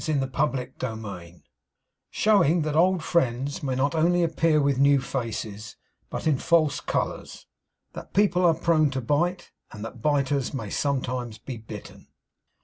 CHAPTER TWENTY SEVEN SHOWING THAT OLD FRIENDS MAY NOT ONLY APPEAR WITH NEW FACES, BUT IN FALSE COLOURS. THAT PEOPLE ARE PRONE TO BITE, AND THAT BITERS MAY SOMETIMES BE BITTEN.